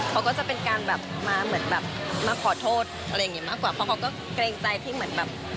เขาก็จะเป็นการแบบมาเหมือนแบบมาขอโทษอะไรอย่างนี้มากกว่าเพราะเขาก็เกรงใจที่เหมือนแบบ